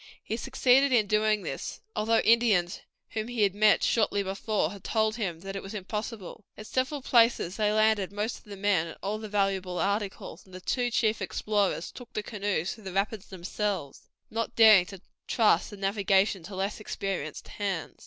He succeeded in doing this, although Indians whom he had met shortly before had told him that it was impossible. At several places they landed most of the men and all the valuable articles, and the two chief explorers took the canoes through the rapids themselves, not daring to trust the navigation to less experienced hands.